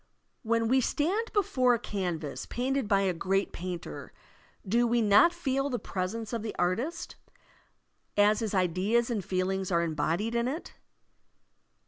When we stand before a canvas painted by a great painter, do we not feel the presence of the artist, as his ideas and feelings are embodied in it?